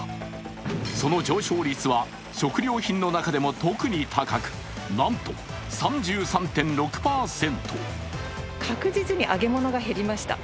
その上昇率は食料品の中でも特に高く、なんと３３．６％。